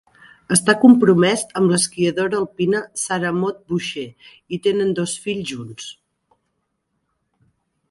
Està compromès amb l'esquiadora alpina Sara-Maude Boucher i tenen dos fills junts.